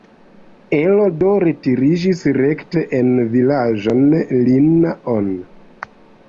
Elo do retiriĝis rekte en vilaĝon Linna-on.